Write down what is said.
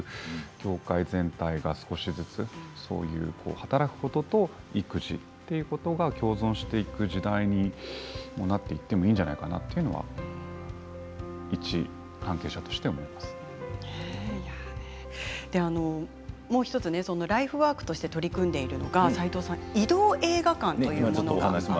業界全体が少しずつそういう働くことと育児ということが共存していく時代になっていてもいいんじゃないかなというのはもう１つライフワークとして取り組んでいるのが移動映画館。